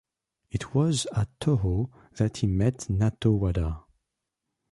It was at Toho that he met Natto Wada.